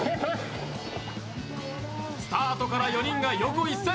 スタートから４人が横一線。